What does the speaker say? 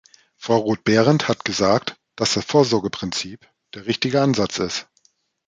Frau Roth-Behrendt hat gesagt, dass das Vorsorgeprinzip der richtige Ansatz ist.